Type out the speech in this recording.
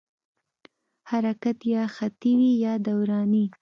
حرکت یا خطي وي یا دوراني.